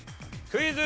クイズ。